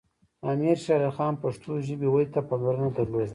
امیر شیر علی خان پښتو ژبې ودې ته پاملرنه درلوده.